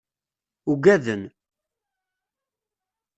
Uggaden.